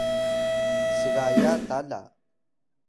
Yaway: sgaya ta la